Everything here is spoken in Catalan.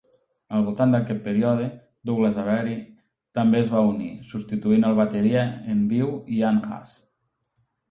Al voltant d'aquest període, Douglas Avery també es va unir, substituint al bateria en viu Ian Haas.